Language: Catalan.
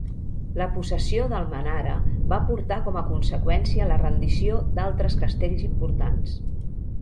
La possessió d'Almenara va portar com a conseqüència la rendició d'altres castells importants.